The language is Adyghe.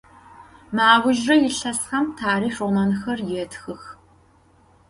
Mı aujjıre yilhesxem tarixh romanxer yêtxıx.